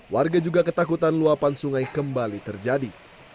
warga juga ketakutan luapan sungai kembali terjadi